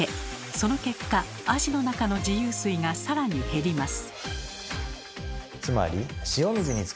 その結果アジの中の自由水が更に減ります。